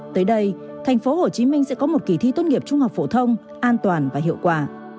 tới đây tp hcm sẽ có một kỳ thi tuân nghiệp trung học phổ thông an toàn và hiệu quả